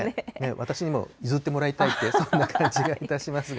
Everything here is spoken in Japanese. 私にもゆずってもらいたいって、そんな感じがいたしますが。